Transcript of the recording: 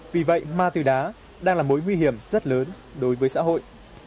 vì vậy ma từ đá đang là mối nguy hiểm rất lớn đối với xã hội